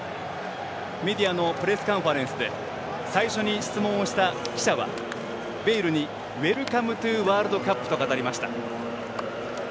メディアのプレスカンファレンスで最初に質問をした記者はベイルにウェルカムトゥワールドカップと語りました。